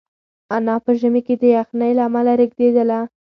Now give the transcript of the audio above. انا په ژمي کې د یخنۍ له امله رېږدېدله.